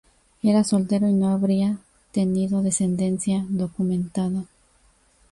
Era soltero y no habría tenido descendencia documentada.